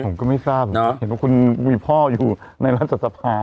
ผมก็ไม่ทราบนะเห็นว่าคุณมีพ่ออยู่ในรัฐสภา